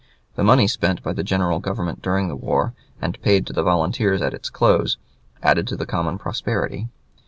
The money spent by the general Government during the war, and paid to the volunteers at its close, added to the common prosperity.